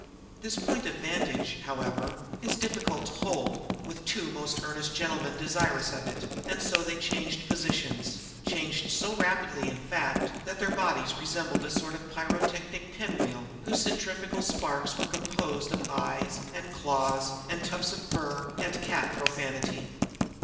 This point of vantage, however, is rather difficult to hold, with two most earnest gentlemen desirous of it; and so they changed positions changed so rapidly, in fact, that their bodies resembled a sort of pyrotechnic pinwheel whose centrifugal sparks were composed of eyes and claws and tufts of fur and cat profanity.